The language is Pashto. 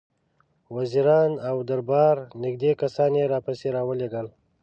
وزیران او د دربار نېږدې کسان یې راپسې را ولېږل.